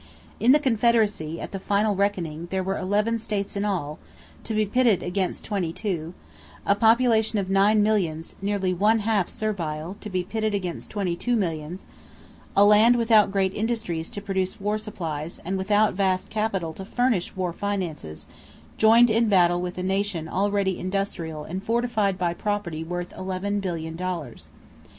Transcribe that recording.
In the Confederacy at the final reckoning there were eleven states in all, to be pitted against twenty two; a population of nine millions, nearly one half servile, to be pitted against twenty two millions; a land without great industries to produce war supplies and without vast capital to furnish war finances, joined in battle with a nation already industrial and fortified by property worth eleven billion dollars.